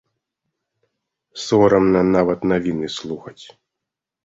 Сорамна нават навіны слухаць.